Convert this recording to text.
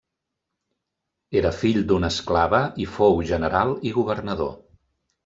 Era fill d'una esclava i fou general i governador.